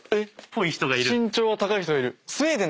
身長高い人がいる。